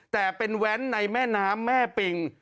แต่เป็นแว้นในแม่น้ำแม่ปิง